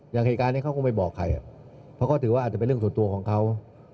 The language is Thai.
อย่างเหตุการณ์นี้เขาก็ไม่บอกใครเพราะเขาถือว่าอาจจะเป็นเรื่องส่วนตัวของเขา